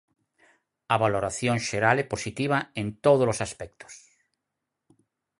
A valoración xeral é positiva en todos os aspectos.